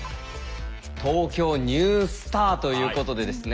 「ＴＯＫＹＯニュースター」ということでですね